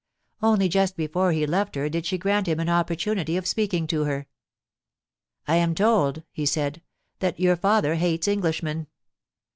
* Only just before he left her did she grant him an oppor tunity of speaking to her. * I am told,* he said, * that your father hates Englishmen.'